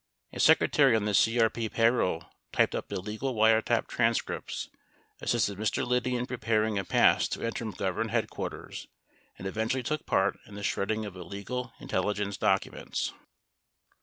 45 A secretary on the CRP payroll typed up illegal wiretap trans cripts, assisted Mr. Liddy in preparing a pass to enter McGovern head quarters, and eventually took part in the shredding of illegal intelli gence documents.